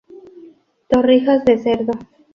Torrijas de Cerdo.